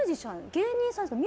芸人さんですか？